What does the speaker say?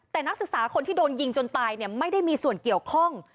แต่นักศึกษาคนที่โดนยิงจนตายไม่ได้มีส่วนเกี่ยวข้อง